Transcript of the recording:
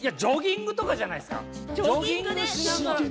ジョギングとかじゃないです